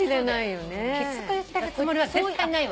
きつく言ってるつもりは絶対ないわ。